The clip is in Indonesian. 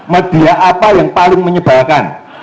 media apa yang paling menyebalkan